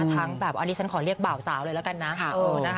ทั้งแบบอันนี้ฉันคอเรียกเบ่าสาวแล้วละกัน